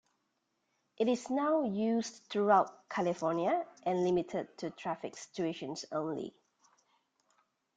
It is now used throughout California and limited to traffic situations only.